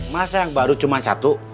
masa yang baru cuma satu